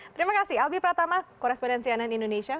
terima kasih albi pratama korespondensianan indonesia